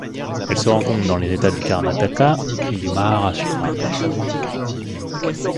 Elle se rencontre dans les États du Karnataka et du Maharashtra.